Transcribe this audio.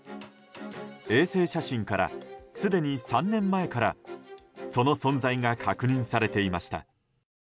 衛星写真から、すでに３年前からその存在が確認されていました。